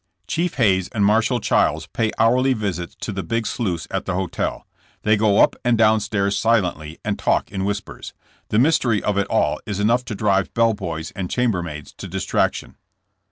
Chief Hayes and Marshal Chiles pay hourly visits to the big sleuths at the hotel. They go up and down stairs silently and talk in whispers. The mystery of it all is enough to drive bell boys and chambermaids to distraction.